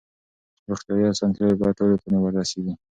روغتیايي اسانتیاوې باید ټولو ته ورسیږي.